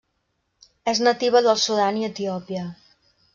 És nativa del Sudan i Etiòpia.